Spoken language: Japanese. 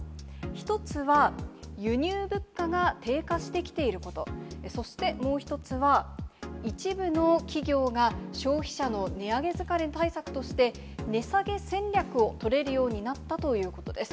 一つは、輸入物価が低下してきていること、そしてもう一つは、一部の企業が消費者の値上げ疲れ対策として、値下げ戦略を取れるようになったということです。